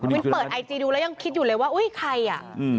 เปิดไอจีดูแล้วยังคิดอยู่เลยว่าอุ้ยใครอ่ะ